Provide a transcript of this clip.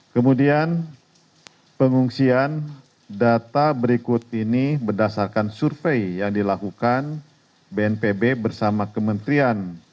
kemudian pengungsian data berikut ini berdasarkan survei yang dilakukan bnpb bersama kementerian